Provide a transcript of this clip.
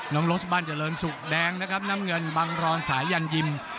น้องโรสบ้านเจริญสุขแดงนะครับน้ำเงินบังรอนสายันยิม